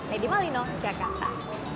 nedy malino jakarta